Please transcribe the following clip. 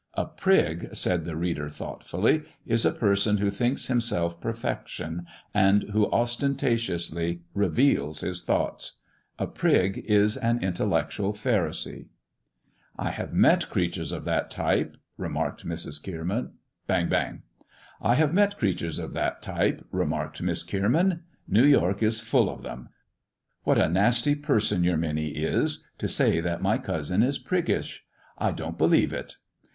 "A prig," said the reader, thoughtfully, "is a person who thinks himself perfection, and who ostentatiously reveals his thoughts. A prig is an intellectual Pharisee." "I have met creatures of that type," remarked Miss Kierman. "New York is full of them. What a nasty person your Minnie is to say that my cousin is priggish ! I don't believe it."